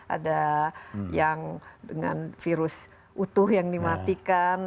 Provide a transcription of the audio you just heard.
ada yang dengan virus utuh yang dimatikan